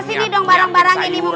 bawa sini dong barang barang ini